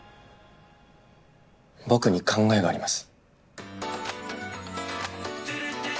僕に考えがあります。